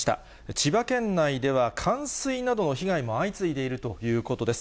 千葉県内では冠水などの被害も相次いでいるということです。